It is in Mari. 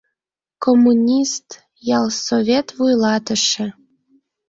Коммунист, ялсовет вуйлатыше.